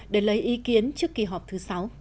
để lấy ý kiến trước kỳ họp thứ sáu